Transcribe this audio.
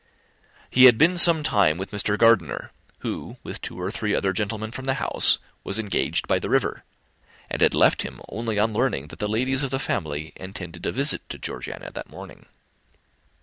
He had been some time with Mr. Gardiner, who, with two or three other gentlemen from the house, was engaged by the river; and had left him only on learning that the ladies of the family intended a visit to Georgiana that morning.